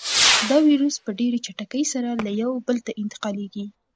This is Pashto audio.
دا وېروس په ډېرې چټکۍ سره له یو بل ته انتقالېږي.